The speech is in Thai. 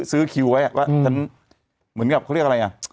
ซื้อคิวไว้ว่าฉันเหมือนกับเขาเรียกอะไรอ่ะ